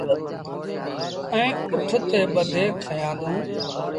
ائيٚݩ اُٺ تي ٻڌي کيآندون۔